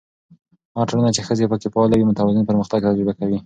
هغه ټولنه چې ښځې پکې فعاله وي، متوازن پرمختګ تجربه کوي.